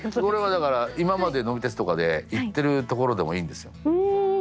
これはだから今まで「呑み鉄」とかで行ってる所でもいいんですよ。